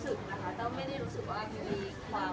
ใช่ตรงนี้ตัวซิงคือจะอยู่ในสัญญาณ